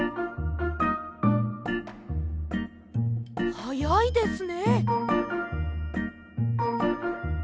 はやいですね。